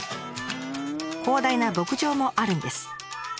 広大な牧場もあるんです。